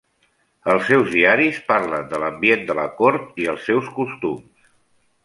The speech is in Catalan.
Els seus diaris parlen de l'ambient de la cort i els seus costums.